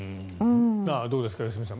どうですか、良純さん